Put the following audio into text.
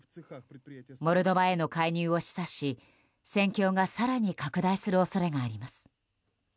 モルドバへの介入を示唆し戦況が更に拡大する恐れがあります。